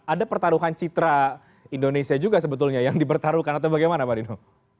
ada pertaruhan citra indonesia juga sebetulnya yang dipertaruhkan atau bagaimana pak dino